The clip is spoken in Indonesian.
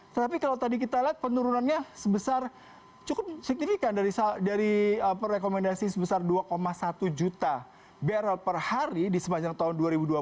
tetapi kalau tadi kita lihat penurunannya sebesar cukup signifikan dari rekomendasi sebesar dua satu juta barrel per hari di sepanjang tahun dua ribu dua puluh